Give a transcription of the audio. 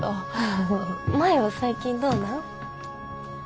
舞は最近どうなん？